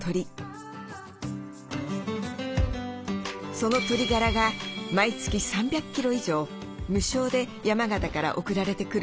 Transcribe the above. その鶏ガラが毎月３００キロ以上無償で山形から送られてくるんです。